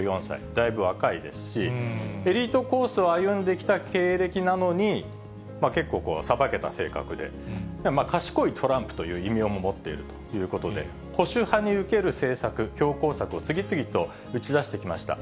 だいぶ若いですし、エリートコースを歩んできた経歴なのに、結構こう、さばけた性格で、賢いトランプという異名も持っているということで、保守派に受ける政策、強攻策を次々と打ち出してきました。